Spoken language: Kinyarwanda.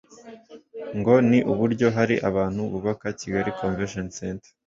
ngo ni uburyo hari abantu bubaka Kigali Convention Center